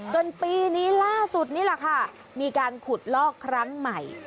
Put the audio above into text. จนปีนี้ล่าสุดนี่แหละค่ะมีการขุดลอกครั้งใหม่